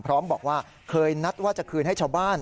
พร้อมบอกว่าเคยนัดว่าจะคืนให้ชาวบ้าน